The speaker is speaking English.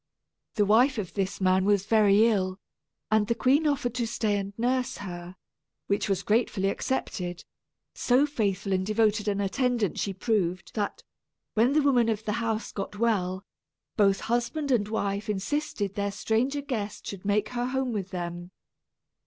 The wife of this man was very ill, and the queen offered to stay and nurse her, which was gratefully accepted. So faithful and devoted an attendant she proved that, when the woman of the house got well, both husband and wife insisted their stranger guest should make her home with them.